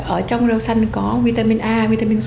ở trong rau xanh có vitamin a vitamin c